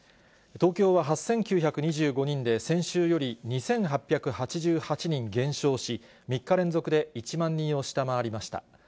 東京は８９２５人で、先週より２８８８人減少し、３日連続で１万人を下回りました。